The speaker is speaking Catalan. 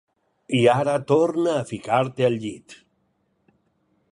I ara torna a ficar-te al llit.